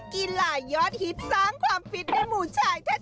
กีฬายอดฮิตสร้างความฟิตในหมู่ชายแท้